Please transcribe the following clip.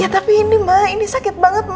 ya tapi ini ma ini sakit banget ma